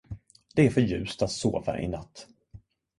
Det är för ljust att sova i natt.